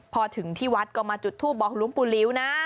พอถึงที่วัดก็มาจุดทูปบอกหลวงปู่หลิวนะ